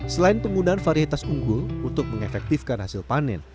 selain penggunaan varietas unggul untuk mengefektifkan hasil panen